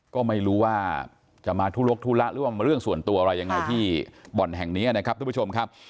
ก็ไม่รู้ว่าจะมาทุลกธุระหรือว่ามาเรื่องส่วนตัวอะไรยังไงที่บ่อนแห่งนี้นะครับทุกผู้ชมครับ